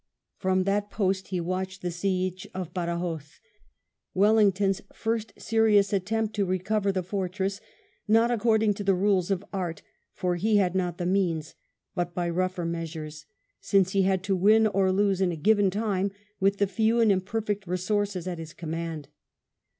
From that post he watched the siege of Badajos, Wellington's first serious attempt to recover the fortress, not according to the rules of art, for he had not the means, but by rougher measures, since he had to win or lose in a given time with the few and imperfect resources at his command.